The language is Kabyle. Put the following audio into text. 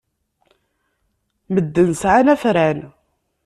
Medden sɛan afran.